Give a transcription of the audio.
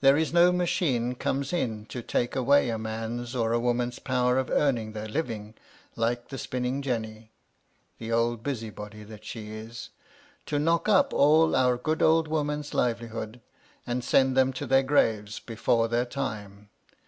There is no machine comes in to take away a man's or woman's MY LADY LUDLOW. 327 power of earning their living, like the spinning jenny (the old busybody that she is), to knock up all our good old women's livelihood, and send them to their graves before their time.